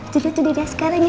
tuh tuh dia sekarang ya